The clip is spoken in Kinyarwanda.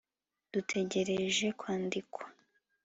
dutegereje kwandikwa